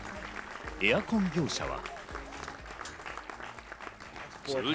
エアコン業者は。